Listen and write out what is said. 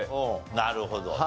なるほどね。